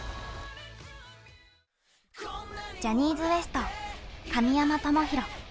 ジャニーズＷＥＳＴ神山智洋。